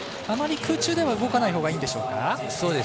あまり空中では動かないほうがいいんでしょうか。